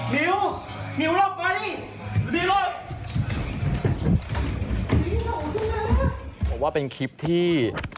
บอกว่าเป็นคลิปที่